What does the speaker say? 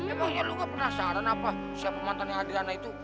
emangnya lo gak penasaran apa siapa mantannya adriana itu